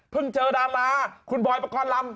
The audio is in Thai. เพิ่งเจอดาราคุณบอยประกอบลำ